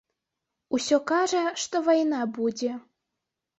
Усё кажа, што вайна будзе.